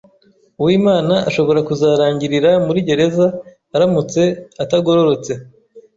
Uwimana ashobora kuzarangirira muri gereza aramutse atagororotse.